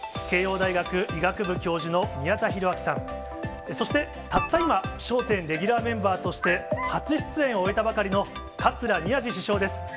慶応大学医学部教授の宮田裕章さん、そして、たった今、笑点レギュラーメンバーとして初出演を終えたばかりの桂宮治師匠です。